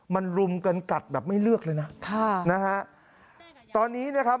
มันรุมกันกัดแบบไม่เลือกเลยนะค่ะนะฮะตอนนี้นะครับ